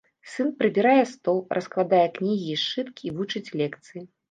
Сын прыбірае стол, раскладае кнігі і сшыткі і вучыць лекцыі.